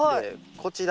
こちら